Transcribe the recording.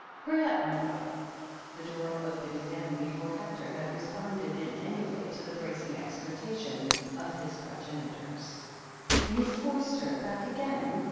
"Hurry up, my boy." The door opened again before Hector had responded in any way to the bracing exhortations of his progeni tors. "Miss Forster back again?"